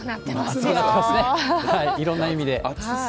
熱くなってますね、いろんな意味で。